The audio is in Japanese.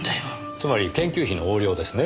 つまり研究費の横領ですね。